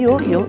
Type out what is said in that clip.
yuk yuk yuk